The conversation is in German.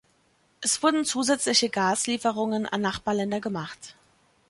Es wurden zusätzliche Gaslieferungen an Nachbarländer gemacht.